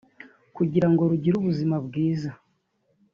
kugira ngo rugire ubuzima bwiza